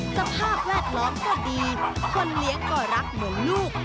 สภาพแวดล้อมก็ดีคนเลี้ยงก็รักเหมือนลูก